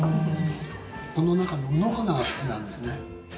この中の卯の花が好きなんですね。